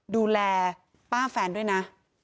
ดูแลป้าแฟนด้วยนะ